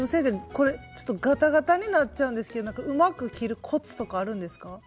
これちょっとガタガタになっちゃうんですけどうまく切るコツとかあるんですか？